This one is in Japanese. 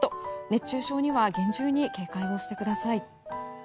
熱中症には厳重に警戒をしてください。